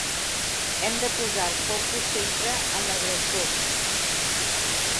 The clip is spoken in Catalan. Hem de posar el focus, sempre, en l’agressor.